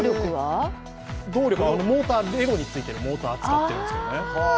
動力はレゴについているモーターを使っているんですけどね。